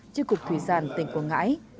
trên cục thủy sản tỉnh quảng ngãi